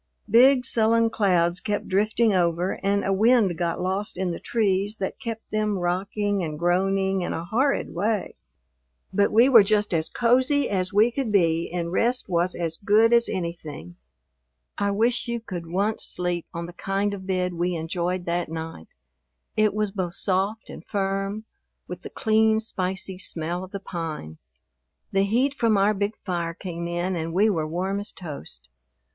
Big sullen clouds kept drifting over and a wind got lost in the trees that kept them rocking and groaning in a horrid way. But we were just as cozy as we could be and rest was as good as anything. I wish you could once sleep on the kind of bed we enjoyed that night. It was both soft and firm, with the clean, spicy smell of the pine. The heat from our big fire came in and we were warm as toast.